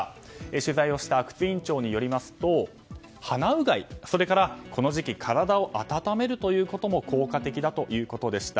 取材をした阿久津院長によりますと鼻うがい、それからこの時期体を温めるということも効果的だということでした。